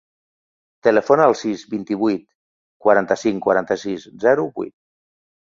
Telefona al sis, vint-i-vuit, quaranta-cinc, quaranta-sis, zero, vuit.